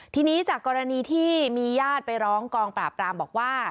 ทีนี้จากกรณีที่มีญาติไปร้องกองปราบปรามบอกว่า